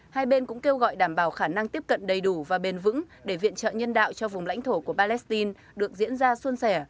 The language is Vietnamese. hai bên cũng kêu gọi đảm bảo khả năng tiếp cận đầy đủ và bền vững để viện trợ nhân đạo cho vùng lãnh thổ của palestine được diễn ra xuân sẻ